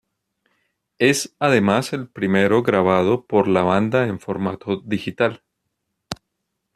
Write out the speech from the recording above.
Es además el primero grabado por la banda en formato digital.